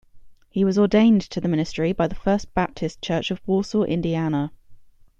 He was ordained to the ministry by the First Baptist Church of Warsaw, Indiana.